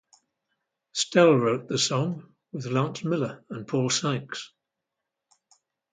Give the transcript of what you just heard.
Stell wrote the song with Lance Miller and Paul Sikes.